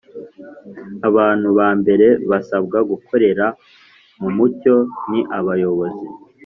Abantu ba mbere basabwa gukorera mu mucyo ni abayobozi.